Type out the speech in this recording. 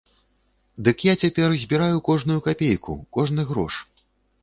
Дык я цяпер збіраю кожную капейку, кожны грош.